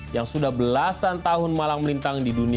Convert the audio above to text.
yang sudah belasan tahun malang melintang di dunia